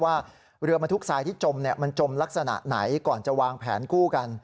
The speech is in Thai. ว่าเรือบรรทุกทรายที่จมมันจมลักษณะไหนก่อนจะวางแผนกู้กัน